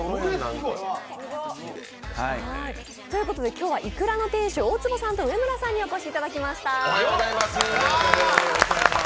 今日はいくらの店主大坪さんと上村さんにお越しいただきました。